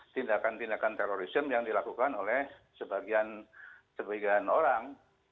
tindakan tindakan terorisme yang dilakukan oleh sebagian orang